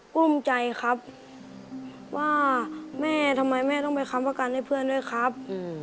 กลุ่มใจครับว่าแม่ทำไมแม่ต้องไปค้ำประกันให้เพื่อนด้วยครับ